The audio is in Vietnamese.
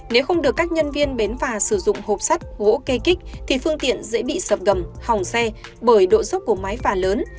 nếu không được các nhân viên bến phà sử dụng hộp sắt gỗ kê kích thì phương tiện dễ bị sập gầm hỏng xe bởi độ dốc của máy phà lớn